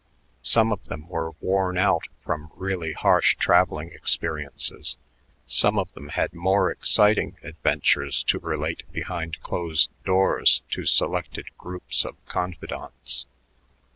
Some of them were worn out from really harsh traveling experiences; some of them had more exciting adventures to relate behind closed doors to selected groups of confidants.